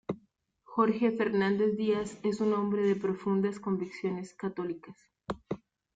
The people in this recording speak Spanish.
Jorge Fernández Díaz es un hombre de profundas convicciones católicas.